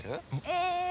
ええ！